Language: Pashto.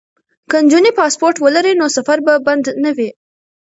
که نجونې پاسپورټ ولري نو سفر به بند نه وي.